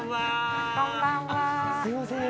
すいません